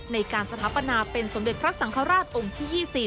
ในการสถาปนาเป็นสมเด็จพระสังฆราชองค์ที่๒๐